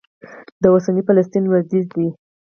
دا د اوسني فلسطین لوېدیځ دی.